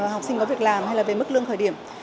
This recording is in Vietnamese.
học sinh có việc làm hay là về mức lương khởi điểm